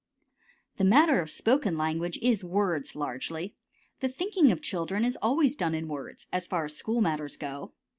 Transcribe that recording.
The matter of spoken language is words largely. The thinking of children is always done in words, as far as school matters go.